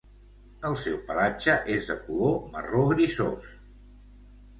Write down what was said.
El seu pelatge és de color marró grisos.